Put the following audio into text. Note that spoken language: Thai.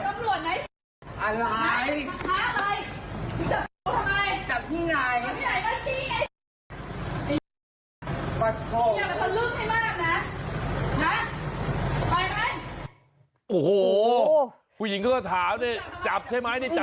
ถ้าคุณหญิงเจ้าม้องก็ว่าจับใช่มั้ยจับที่ไหน